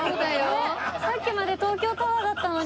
さっきまで東京タワーだったのに。